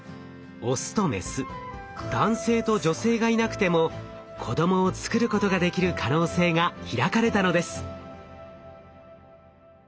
オスとメス男性と女性がいなくても子どもをつくることができる可能性が開かれたのです。